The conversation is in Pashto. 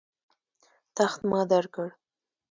تخت ما درکړ.